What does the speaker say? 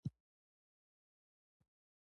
ازادي راډیو د طبیعي پېښې د مثبتو اړخونو یادونه کړې.